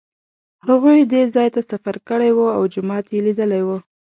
هغوی دې ځای ته سفر کړی و او جومات یې لیدلی و.